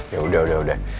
yaudah udah udah